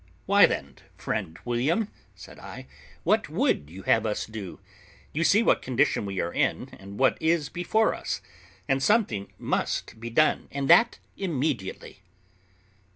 "Why then, friend William," said I, "what would you have us do? You see what condition we are in, and what is before us; something must be done, and that immediately."